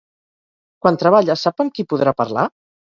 Quan treballa, sap amb qui podrà parlar?